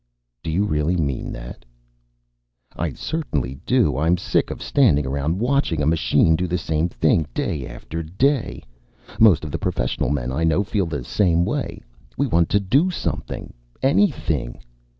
"Do you really mean that?" "I certainly do. I'm sick of standing around watching a machine do the same thing day after day. Most of the professional men I know feel the same way. We want to do something. Anything.